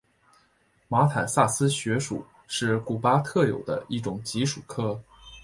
马坦萨斯穴鼠是古巴特有的一种棘鼠科。